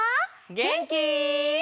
げんき？